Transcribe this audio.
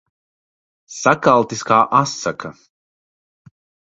Sakaltis kā asaka.